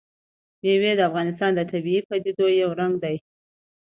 مېوې د افغانستان د طبیعي پدیدو یو رنګ دی.